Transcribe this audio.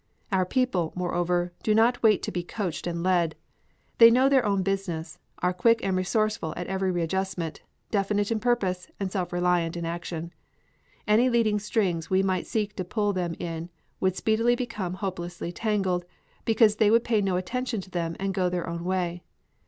Our people, moreover, do not wait to be coached and led. They know their own business, are quick and resourceful at every readjustment, definite in purpose and self reliant in action. Any leading strings we might seek to put them in would speedily become hopelessly tangled because they would pay no attention to them and go their own way.